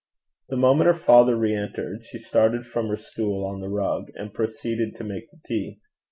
The moment her father re entered, she started from her stool on the rug, and proceeded to make the tea.